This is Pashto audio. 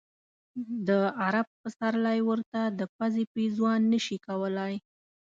د عرب پسرلی ورته د پزې پېزوان نه شي کولای.